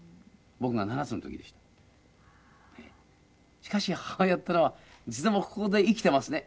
しかし母親っていうのはいつでもここで生きていますね。